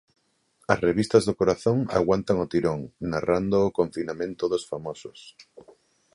As revistas do corazón aguantan o tirón, narrando o confinamento dos famosos.